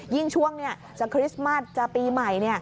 ยิ่งช่วงนี้จากคริสต์มาทจากปีใหม่